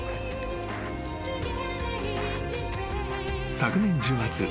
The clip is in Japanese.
［昨年１０月。